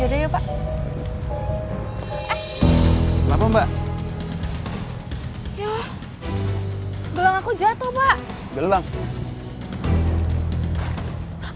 ya udah ya pak eh kenapa mbak ya belakang aku jatuh pak gelap